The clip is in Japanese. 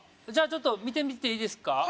じゃあちょっと見てみていいですか？